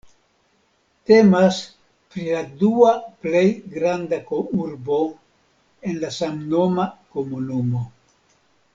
Temas pri la dua plej granda urbo en la samnoma komunumo.